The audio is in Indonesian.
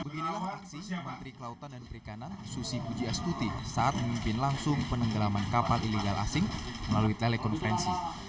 beginilah aksi menteri kelautan dan perikanan susi pujiastuti saat memimpin langsung penenggelaman kapal ilegal asing melalui telekonferensi